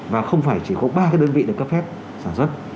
và không phải chỉ có ba cái đơn vị được cấp phép sản xuất